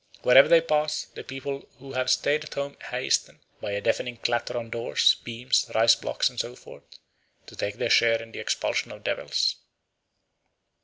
Wherever they pass, the people who have stayed at home hasten, by a deafening clatter on doors, beams, rice blocks, and so forth, to take their share in the expulsion of devils.